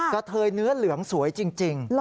กระเทยเนื้อเหลืองสวยจริง